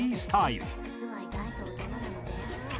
「実は意外と大人なのです」